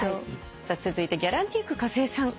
続いてギャランティーク和恵さん。